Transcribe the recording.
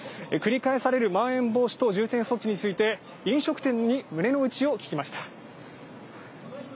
繰り返されるまん延防止等重点措置について飲食店に胸の内を聞きました。